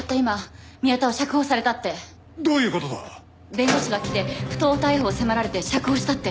弁護士が来て不当逮捕を迫られて釈放したって。